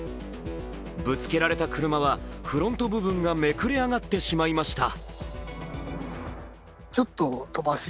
ぶつけられた車はフロント部分がめくれあがってしまいました。